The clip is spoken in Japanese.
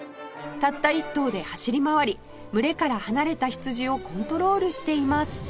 たった１頭で走り回り群れから離れた羊をコントロールしています